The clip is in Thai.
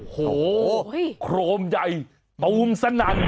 โหโครมใยบูมสนั่น